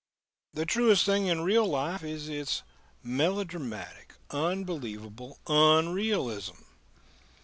The truest thing in real life is its melodramatic, unbelievable unrealism.